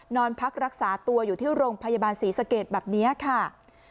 นอนพักรักษาตัวอยู่ที่โรงพยาบาลศรีสเกตแบบนี้ค่ะ